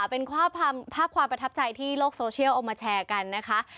เป็นภาพความประทับใจที่โลกโซเชียลเอามาแชร์กันนะคะ